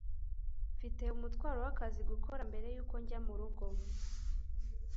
Mfite umutwaro w'akazi gukora mbere yuko njya murugo.